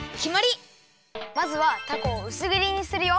まずはたこをうすぎりにするよ。